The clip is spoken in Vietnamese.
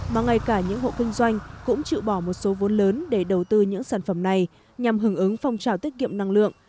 mà ngay cả những hộ kinh doanh cũng chịu bỏ một số vốn lớn để đầu tư những sản phẩm này nhằm hưởng ứng phong trào tiết kiệm năng lượng